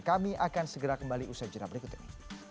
kami akan segera kembali usai jenam berikut ini